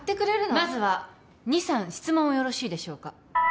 まずは二三質問をよろしいでしょうか？